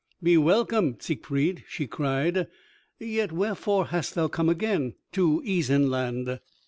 "Be welcome, Siegfried," she cried, "yet wherefore hast thou come again to Isenland?"